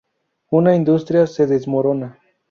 Una industria se desmorona